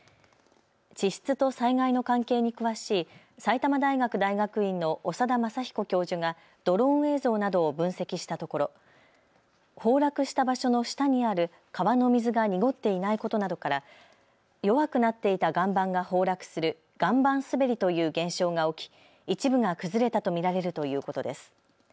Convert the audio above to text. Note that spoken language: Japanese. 地質と災害の関係に詳しい埼玉大学大学院の長田昌彦教授がドローン映像などを分析したところ、崩落した場所の下にある川の水が濁っていないことなどから弱くなっていた岩盤が崩落する岩盤すべりという現象が起き一部が崩れたと見られるということです。